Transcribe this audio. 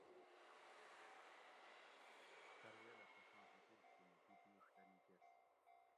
ترویلہ تساں ھکور چھینی دی پیڛ دہ نیکیس